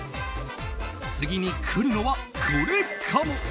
次に来るのはこれかも？